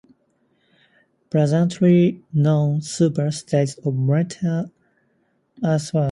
Presently known "super" states of matter are superconductors, superfluid liquids and gases, and supersolids.